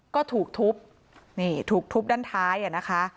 ก็ถูกทุบถูกทุบด้านท้ายนะคะ